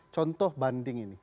contoh banding ini